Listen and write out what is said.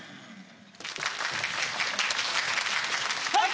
はい！